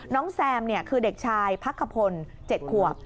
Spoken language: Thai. แซมคือเด็กชายพักขพล๗ขวบ